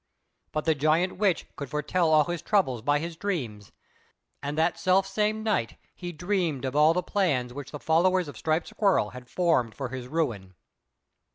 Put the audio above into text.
But the Giant Witch could foretell all his troubles by his dreams, and that selfsame night he dreamed of all the plans which the followers of Striped Squirrel had formed for his ruin.